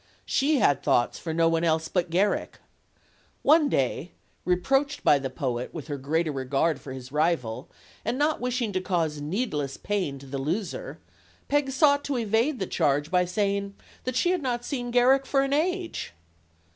She had thoughts for no one else but Garrick. One day, reproached by the poet with her greater regard for his rival, and not wishing to cause needless pain to the loser, Peg sought 52 STORIES OF THE SUPER WOMEN to evade the charge by saying that she had not seen Garrick for an age.